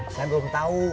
saya belum tau